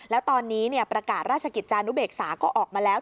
แล้วตอนนี้ประกาศราชกิจจานุเบกษาก็ออกมาแล้ว